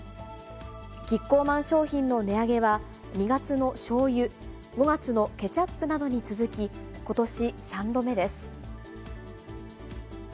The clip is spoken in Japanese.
キッコーマン商品の値上げは、２月のしょうゆ、５月のケチャップなどに続き、ことし３度目です。